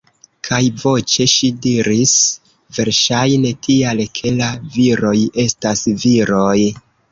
Kaj voĉe ŝi diris: -- Verŝajne tial, ke la viroj estas viroj.